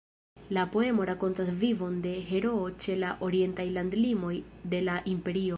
La poemo rakontas vivon de heroo ĉe la orientaj landlimoj de la Imperio.